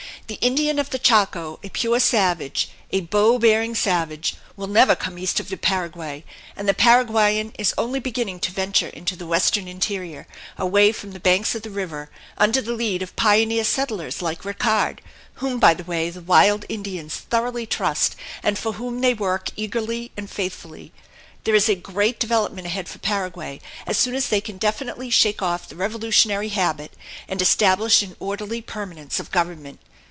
The Indian of the Chaco, a pure savage, a bow bearing savage, will never come east of the Paraguay, and the Paraguayan is only beginning to venture into the western interior, away from the banks of the river under the lead of pioneer settlers like Rickard, whom, by the way, the wild Indians thoroughly trust, and for whom they work eagerly and faithfully. There is a great development ahead for Paraguay, as soon as they can definitely shake off the revolutionary habit and establish an orderly permanence of government.